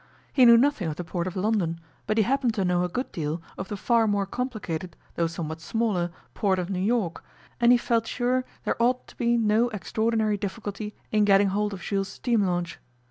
He knew nothing of the Port of London, but he happened to know a good deal of the far more complicated, though somewhat smaller, Port of New York, and he was sure there ought to be no extraordinary difficulty in getting hold of Jules' steam launch.